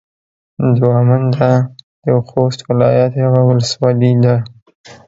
دوه منده د خوست ولايت يوه ولسوالي ده.